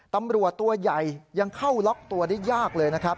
ตำรวจตัวใหญ่ยังเข้าล็อกตัวได้ยากเลยนะครับ